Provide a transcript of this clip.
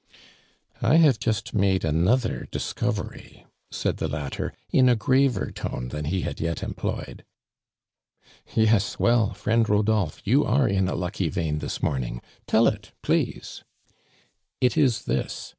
I have just made another discovery," said the latter, in a graver tone than ho had yet employed. " Yes. Well, friend Rodolphc, you are in a lucky vein this morning. Tell it, please !''" It is this.